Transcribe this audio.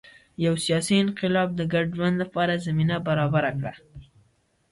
یو سیاسي انقلاب د ګډ ژوند لپاره زمینه برابره کړه